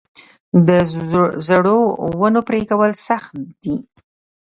د زړو ونو پرې کول سخت دي؟